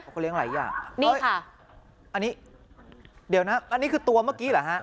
เขาเลี้ยหลายอย่างนี่ค่ะอันนี้เดี๋ยวนะอันนี้คือตัวเมื่อกี้เหรอฮะ